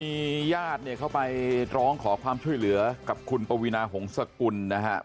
มีญาติเนี่ยเข้าไปร้องขอความช่วยเหลือกับคุณปวีนาหงษกุลนะครับ